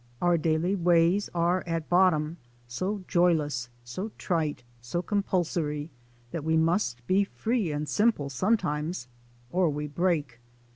Our daily ways are at bottom so joy less, so trite, so compulsory, that we must be free and simple sometimes, or we break.